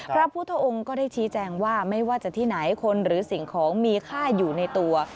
พระพุทธองค์ก็ได้ชี้แจงว่าไม่ว่าจะที่ไหนคนหรือสิ่งของมีค่าอยู่ในตัว